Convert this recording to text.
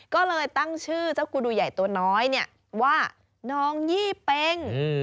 ก็เลยตั้งชื่อเจ้ากูดูใหญ่ตัวน้อยเนี่ยว่าน้องยี่เป็ง